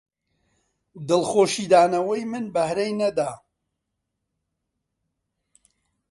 دڵخۆشی دانەوەی من بەهرەی نەدا